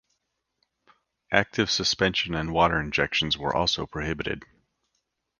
Active suspension and water injections were also prohibited.